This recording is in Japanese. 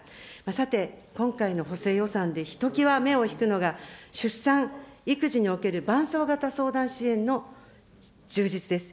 さて、今回の補正予算でひときわ目を引くのが、出産・育児における伴走型相談支援の充実です。